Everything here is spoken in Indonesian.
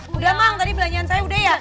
udah mang tadi belanjaan saya udah ya